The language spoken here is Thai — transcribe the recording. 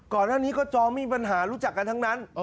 ก่อนหน้านี้ก็จองมีปัญหารู้จักกันทั้งนั้น